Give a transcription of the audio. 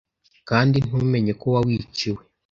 Kandi ntumenye ko waciwe !